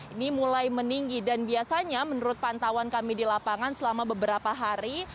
ini mulai meninggi dan biasanya menurut pantauan kami di lapangan selama beberapa hari